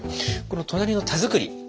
この隣の田作り。